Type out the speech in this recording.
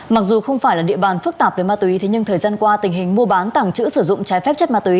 mặc dù không phải là địa bàn phức tạp về ma túy thế nhưng thời gian qua tình hình mua bán tàng trữ sử dụng trái phép chất ma túy